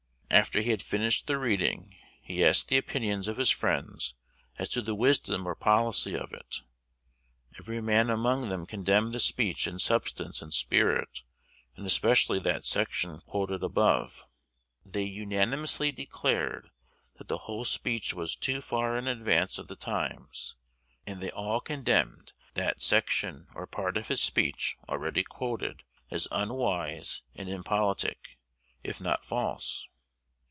After he had finished the reading, he asked the opinions of his friends as to the wisdom or policy of it. Every man among them condemned the speech in substance and spirit, and especially that section quoted above. They unanimously declared that the whole speech was too far in advance of the times; and they all condemned that section or part of his speech already quoted, as unwise and impolitic, if not false.